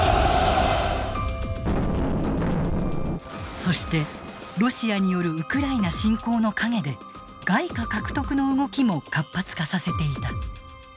そしてロシアによるウクライナ侵攻の陰で外貨獲得の動きも活発化させていた。